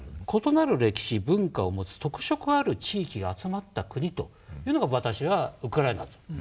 異なる歴史文化を持つ特色ある地域が集まった国というのが私はウクライナだと。